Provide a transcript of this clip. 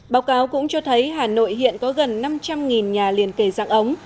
báo cáo cũng cho thấy hà nội hiện có gần năm trăm linh nhà liền kề dạng ống